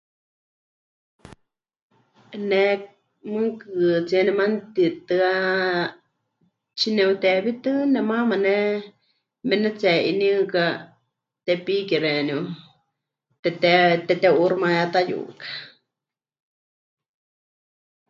Ne mɨɨkɨtsíe nemanutitɨa tsine'uteewítɨ nemaama ne mepɨnetsihe'ini huukɨ́a Tepiki xeeníu, teteu'uuximayátayuka.